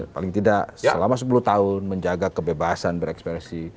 paling tidak selama sepuluh tahun menjaga kebebasan berekspresi